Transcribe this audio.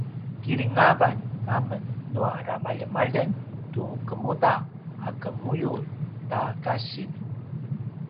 kilingavan amen nua ramaljemaljeng tu kemuda a qemuyulj ta kasiv